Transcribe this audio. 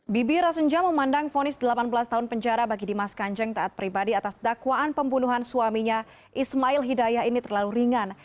bibi rasunja memandang fonis delapan belas tahun penjara bagi dimas kanjeng taat pribadi atas dakwaan pembunuhan suaminya ismail hidayah ini terlalu ringan